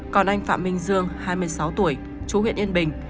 còn anh phạm minh dương hai mươi sáu tuổi chú huyện yên bình